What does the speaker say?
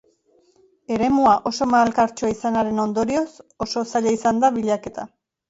Eremua oso malkartsua izanaren ondorioz, oso zaila izan da bilaketa.